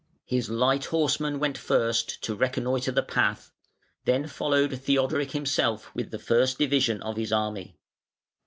His light horsemen went first to reconnoitre the path; then followed Theodoric himself with the first division of his army.